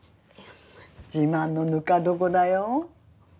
自慢のぬか床だよ。